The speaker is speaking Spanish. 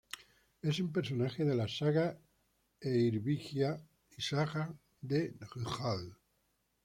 Es un personaje de la "saga Eyrbyggja", y saga de Njál.